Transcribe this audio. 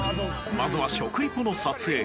まずは食リポの撮影から